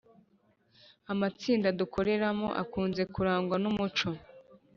Amatsinda dukoreramo akunze kurangwa n’umuco